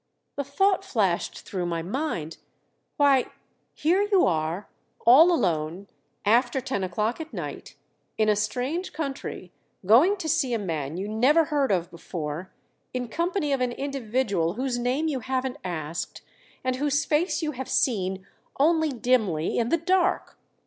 The thought flashed through my mind, "Why, here you are, all alone, after ten o'clock at night, in a strange country, going to see a man you never heard of before, in company of an individual whose name you haven't asked, and whose face you have seen only dimly in the dark!